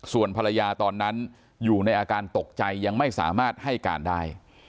ส่วนภรรยาตอนนั้นอยู่ในอาการตกใจยังไม่สามารถให้การได้